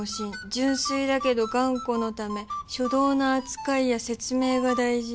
純粋だけど頑固のため初動の扱いや説明が大事」。